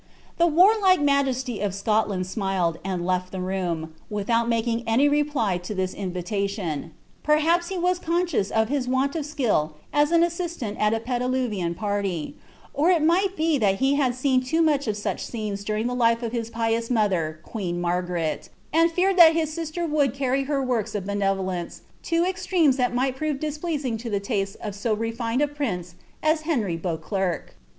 The wariike majesty of Scotland smiled, and left the room, without making any reply to this invitation. Perhaps he was conscious of his want of skill as an assistant at a pediluvium party ; or it might be that he had seen too much of such scenes during the life of his pious mother qoeen Margaret, and feared that his sister would carry her works of be nevolence to extremes that might prove displeasing to the tastes of so refined a prince as Henry Beauclerc.